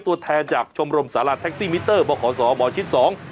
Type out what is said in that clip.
ตัวแทนจากชมรมสาราแท็กซี่มิเตอร์บขสอหมอชิดสอง